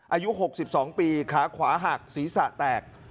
อายุหกสิบสองปีขาขวาหักศีรษะแตก